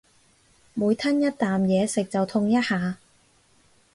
每吞一啖嘢食就痛一下